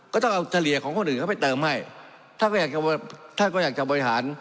ก็ต้องเอาเฉลี่ยของคนอื่นเข้าไปเติมให้ท่านก็อยากจะท่านก็อยากจะบริหาร